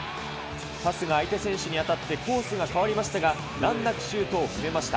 パスが相手選手に当たってコースが変わりましたが、難なくシュートを決めました。